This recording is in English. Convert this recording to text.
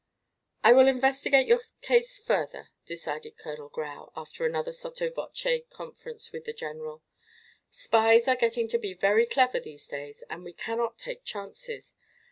"I will investigate your case further," decided Colonel Grau, after another sotto voce conference with the general. "Spies are getting to be very clever, these days, and we cannot take chances.